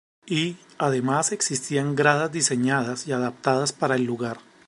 Y, además, existían gradas diseñadas y adaptadas para el lugar.